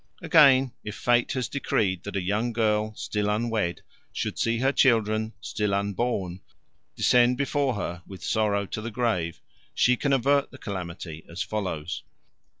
Again, if fate has decreed that a young girl, still unwed, should see her children, still unborn, descend before her with sorrow to the grave, she can avert the calamity as follows.